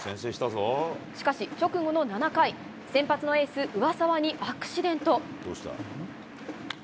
しかし、直後の７回、先発のエース、上沢にアクシデント。